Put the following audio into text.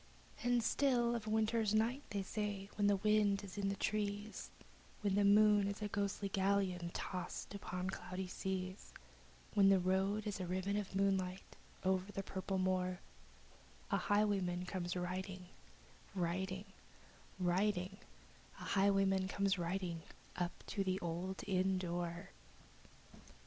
And still on a winter's night, they say, when the wind is in the trees, When the moon is a ghostly galleon tossed upon cloudy seas, When the road is a gypsy's ribbon looping the purple moor, The highwayman comes riding Riding riding The highwayman comes riding, up to the old inn door.